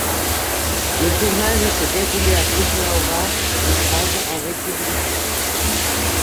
Le tournage s'est déroulé à Kutná Hora et Prague, en République tchèque.